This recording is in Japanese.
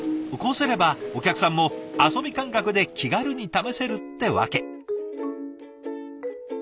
こうすればお客さんも遊び感覚で気軽に試せるってわけ。